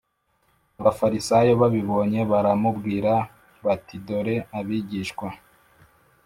Abafarisayo babibonye baramubwira n bati dore abigishwa